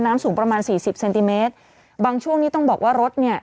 สูงประมาณสี่สิบเซนติเมตรบางช่วงนี้ต้องบอกว่ารถเนี่ย